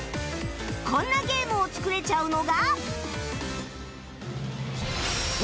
こんなゲームを作れちゃうのが